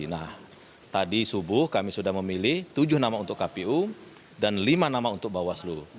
nah tadi subuh kami sudah memilih tujuh nama untuk kpu dan lima nama untuk bawaslu